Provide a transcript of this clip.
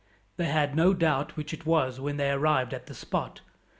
They had no doubt which it was when they arrived at the spot.